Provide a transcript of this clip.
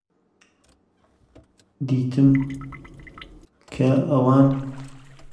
دیتم کچان بێزم لێ دەکەن.